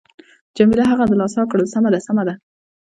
جميله هغه دلاسا کړل: سمه ده، سمه ده.